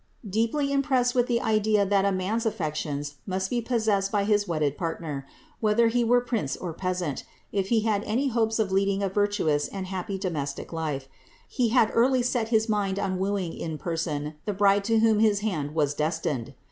Deeply impressed with the idea that a man^s affections must be possessed by his wedded partner, whether he were prince or peasant, if he had any hopes of leading a virtuous and happy domestic life, he had early set his mind on wooing in person the bride to whom his hand was destined.